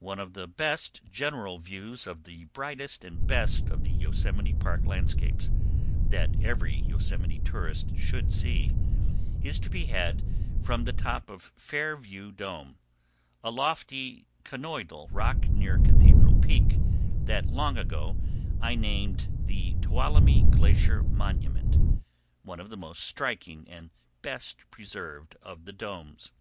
One of the best general views of the brightest and best of the Yosemite park landscapes that every Yosemite tourist should see, is to be had from the top of Fairview Dome, a lofty conoidal rock near Cathedral Peak that long ago I named the Tuolumne Glacier Monument, one of the most striking and best preserved of the domes.